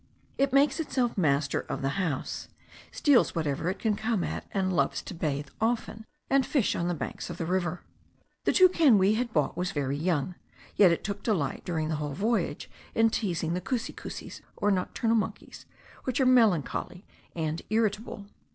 It makes itself master of the house, steals whatever it can come at, and loves to bathe often and fish on the banks of the river. The toucan we had bought was very young; yet it took delight, during the whole voyage, in teasing the cusicusis, or nocturnal monkeys, which are melancholy and irritable.